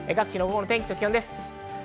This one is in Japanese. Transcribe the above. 各地の天気と気温です。